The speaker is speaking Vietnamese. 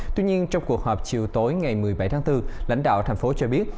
tuy nhiên trong cuộc họp chiều tối ngày một mươi bảy tháng bốn lãnh đạo thành phố cho biết